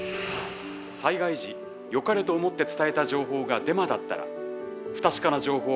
災害時よかれと思って伝えた情報がデマだったら。